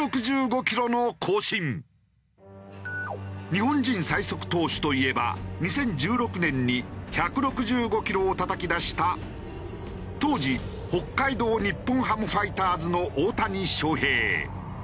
日本人最速投手といえば２０１６年に１６５キロをたたき出した当時北海道日本ハムファイターズの大谷翔平。